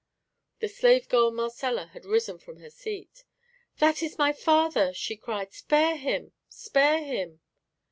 The slave girl Marcella had risen from her seat. "That is my father," she cried; "spare him spare him!"